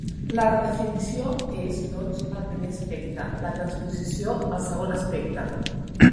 La redefinició és, doncs, el primer aspecte; la transposició, el segon aspecte.